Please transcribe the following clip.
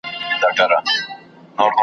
کارکوونکي خپل مسئولیت ترسره کوي.